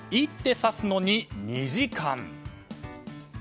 １手さすのに２時間。